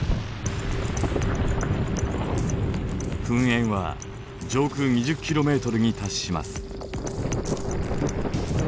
噴煙は上空２０ｋｍに達します。